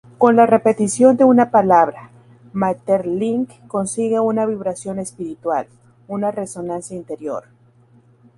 Con la repetición de una palabra, Maeterlinck, consigue una vibración espiritual, una resonancia interior.